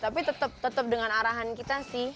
tapi tetep tetep dengan arahan kita sih